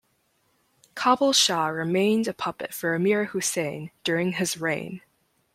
Khabul Shah remained a puppet for Amir Husayn during his reign.